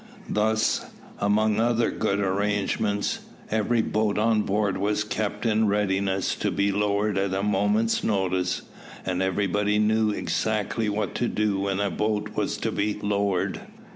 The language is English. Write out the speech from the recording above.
Thus, among other good arrangements, every boat on board was kept in readiness to be lowered at a moment's notice, and everybody knew exactly what to do when a boat was to be lowered.